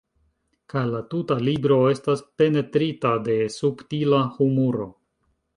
Kaj la tuta libro estas penetrita de subtila humuro.